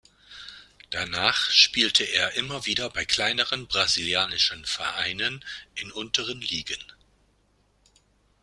Danach spielte er immer wieder bei kleineren brasilianischen Vereinen in unteren Ligen.